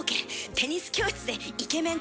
テニス教室でイケメン